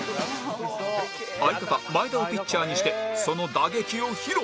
相方前田をピッチャーにしてその打撃を披露！